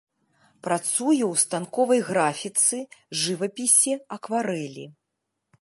Працуе ў станковай графіцы, жывапісе, акварэлі.